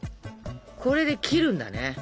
これで切るんだね。